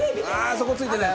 そこついてない！